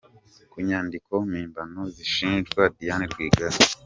Ku nyandiko mpimbano zishinjwa Diane Rwigara.